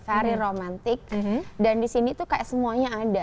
very romantic dan disini tuh kayak semuanya ada